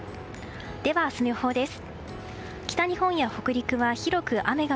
では明日の予報です。